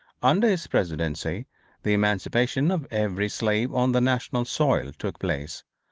Under his presidency the emancipation of every slave on the national soil took place.